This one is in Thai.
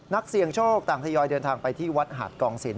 นักเสี่ยงโชคต่างทยอยเดินทางไปที่วัดหาดกองศิลป